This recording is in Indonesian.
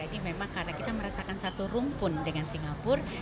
jadi memang karena kita merasakan satu rumpun dengan singapura